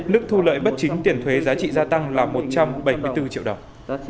mức thu lợi bất chính tiền thuế giá trị gia tăng là một trăm bảy mươi bốn triệu đồng